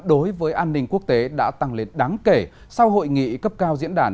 đối với an ninh quốc tế đã tăng lên đáng kể sau hội nghị cấp cao diễn đàn